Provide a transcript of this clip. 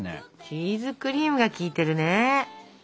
チーズクリームが効いてるね。